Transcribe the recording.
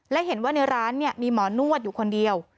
และเห็นว่าในร้านมีหมอนวดอยู่คนเดียว